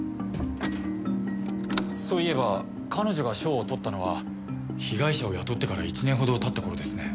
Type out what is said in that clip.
そういえば彼女が賞を取ったのは被害者を雇ってから１年程経った頃ですね。